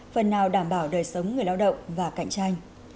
phần nào đảm bảo đời sống người lao động và cạnh tranh